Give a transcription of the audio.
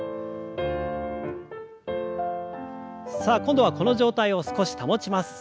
さあ今度はこの状態を少し保ちます。